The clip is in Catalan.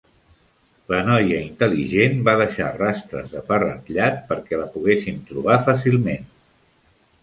La noia intel·ligent va deixar rastres de pa ratllat perquè la poguéssim trobar fàcilment.